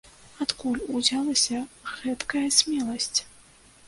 Адкуль узялася гэткая смеласць?